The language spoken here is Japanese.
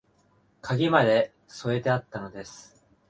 鍵まで添えてあったのです